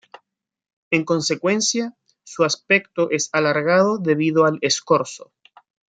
En consecuencia, su aspecto es alargado debido al escorzo.